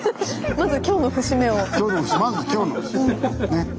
まず今日の節目ね。